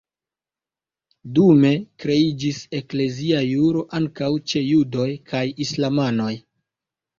Dume kreiĝis eklezia juro ankaŭ ĉe judoj kaj islamanoj.